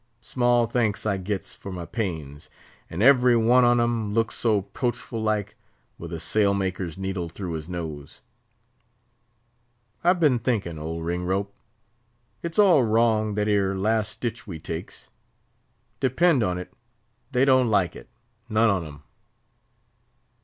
Small thanks I gets for my pains; and every one on 'em looks so 'proachful like, with a sail maker's needle through his nose. I've been thinkin', old Ringrope, it's all wrong that 'ere last stitch we takes. Depend on't, they don't like it—none on 'em."